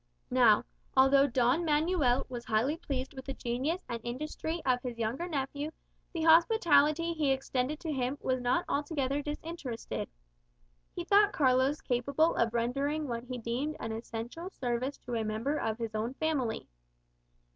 Now, although Don Manuel was highly pleased with the genius and industry of his younger nephew, the hospitality he extended to him was not altogether disinterested. He thought Carlos capable of rendering what he deemed an essential service to a member of his own family.